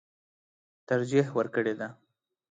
ترجېح ورکړې ده.